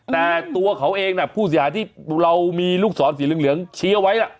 แต่ตัวเขาเองผู้เสียหายที่เรามีลูกศรสีเหลืองชี้เอาไว้